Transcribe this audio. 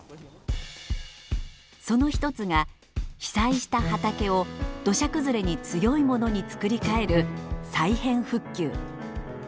その一つが被災した畑を土砂崩れに強いものに作りかえる再編復旧。